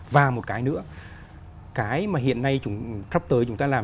và một cái nữa cái mà hiện nay sắp tới chúng ta làm